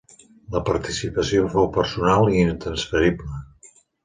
La participació fou personal i intransferible.